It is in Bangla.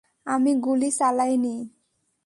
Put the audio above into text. আমি গুলি চালাইনি!